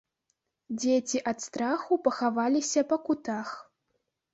Дзеці ад страху пахаваліся па кутах.